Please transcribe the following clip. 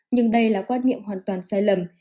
nhưng đây là quan niệm hoàn toàn sai lầm